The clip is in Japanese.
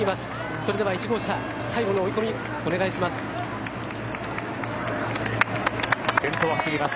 それでは１号車、最後の追い込みお願いします。